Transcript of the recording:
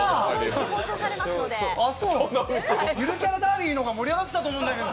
ゆるキャラダービーの方が盛り上がっていたと思うんですけど。